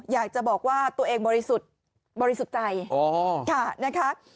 อยากจะบอกว่าตัวเองบริสุทธิ์บริสุทธิ์ใจค่ะนะคะ